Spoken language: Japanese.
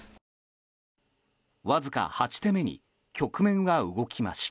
わずか８手目に局面が動きました。